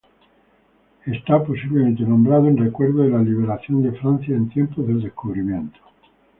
Está posiblemente nombrado en recuerdo de la liberación de Francia en tiempos del descubrimiento.